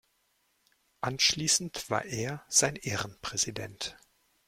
Anschließend war er sein Ehrenpräsident.